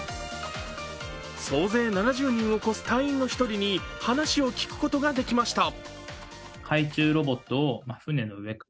総勢７０人を超す隊員の１人に話を聞くことができました。